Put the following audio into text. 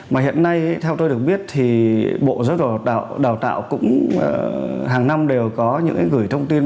mà hiện nay theo tôi được biết thì bộ giáo dục đào tạo cũng hàng năm đều có những gửi thông tin